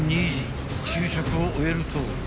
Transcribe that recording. ［昼食を終えると］